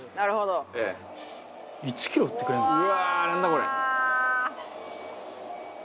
これ。